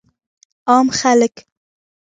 عام خلک